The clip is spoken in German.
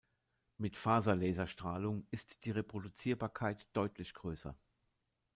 Mit Faserlaserstrahlung ist die Reproduzierbarkeit deutlich größer.